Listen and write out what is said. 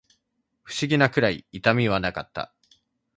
不思議なくらい痛みはなかった